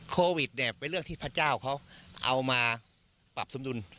โควิดเนี่ยเป็นเรื่องที่พระเจ้าเขาเอามาปรับสมดุล